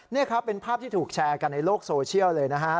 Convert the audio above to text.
นี่ครับเป็นภาพที่ถูกแชร์กันในโลกโซเชียลเลยนะฮะ